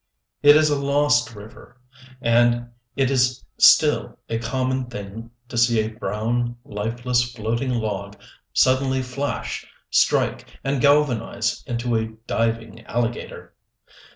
It is a lost river; and it is still a common thing to see a brown, lifeless, floating log suddenly flash, strike, and galvanize into a diving alligator.